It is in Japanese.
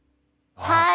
はい。